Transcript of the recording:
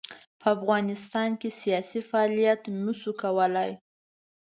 په افغانستان کې یې سیاسي فعالیت نه شوای کولای.